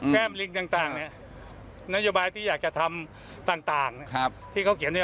แก้มลิงต่างนโยบายที่อยากจะทำต่างที่เขาเขียนเนี่ย